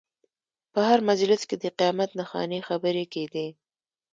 په هر مجلس کې د قیامت نښانې خبرې کېدې.